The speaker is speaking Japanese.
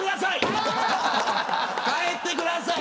帰ってください。